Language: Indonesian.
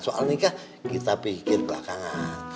soal nikah kita pikir belakangan